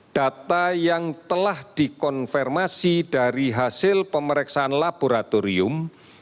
data yang telah dikonfirmasi dari hasil pemeriksaan laboratorium